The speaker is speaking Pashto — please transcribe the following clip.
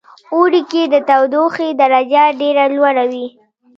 اوړی کې د تودوخې درجه ډیره لوړه وی